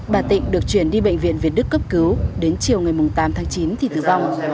bà tịnh được chuyển đi bệnh viện việt đức cấp cứu đến chiều ngày tám tháng chín thì tử vong